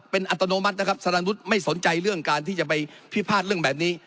เป็นอัตโนมัตินะครับสารวุฒิไม่สนใจเรื่องการที่จะไปพิพาทเรื่องแบบนี้